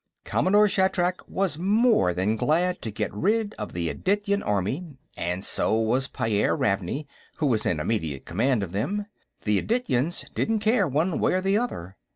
Commodore Shatrak was more than glad to get rid of the Adityan army, and so was Pyairr Ravney, who was in immediate command of them. The Adityans didn't care one way or the other.